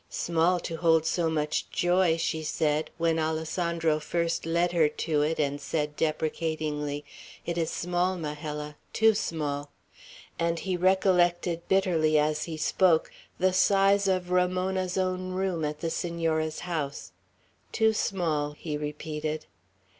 "Small to hold so much joy," she said, when Alessandro first led her to it, and said, deprecatingly, "It is small, Majella, too small;" and he recollected bitterly, as he spoke, the size of Ramona's own room at the Senora's house. "Too small," he repeated.